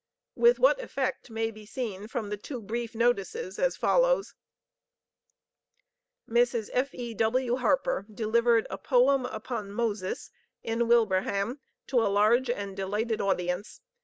With what effect may be seen from the two brief notices as follows: "Mrs. F.E.W. Harper delivered a poem upon 'Moses' in Wilbraham to a large and delighted audience.